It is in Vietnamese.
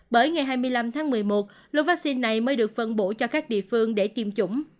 bởi ngày hai mươi năm tháng một mươi một lô vaccine này mới được phân bổ cho các địa phương để tiêm chủng